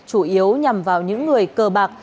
chủ yếu nhằm vào những người cờ bạc